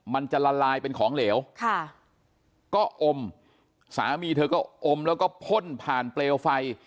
มันจะละลายเป็นของเหลวค่ะก็อมสามีเธอก็อมแล้วก็พ่นผ่านเปลวไฟ